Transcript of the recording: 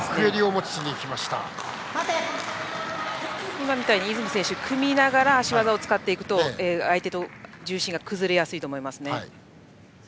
今みたいに、泉選手組みながら足技を使っていくと相手の重心が崩れやすいと思います。